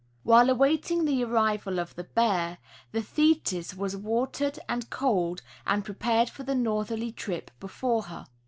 ' While awaiting the arrival of the Bear, the Thetis was wa tered and coaled and prepared for the northerly trip before her.